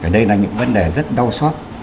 đây là những vấn đề rất đau xót